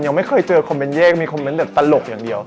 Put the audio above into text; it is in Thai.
ยังไม่เคยเจอคอมเมนต์เ่งมีคอมเมนต์แบบตลกอย่างเดียว